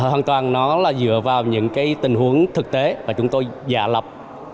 hoàn toàn nó là dựa vào những tình huống thực tế và chúng tôi dạ lập